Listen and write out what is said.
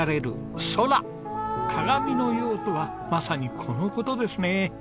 鏡のようとはまさにこの事ですね。